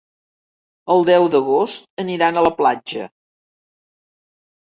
El deu d'agost aniran a la platja.